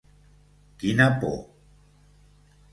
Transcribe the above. Quina por!